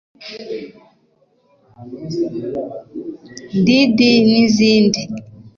Didi n’izindi